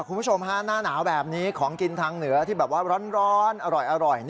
คุณผู้ชมฮะหน้าหนาวแบบนี้ของกินทางเหนือที่แบบว่าร้อนอร่อย